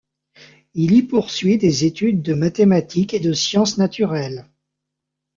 Il y poursuit des études de mathématiques et de sciences naturelles.